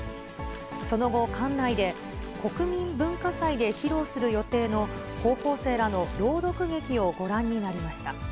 その後、館内で、国民文化祭で披露する予定の高校生らの朗読劇をご覧になりました。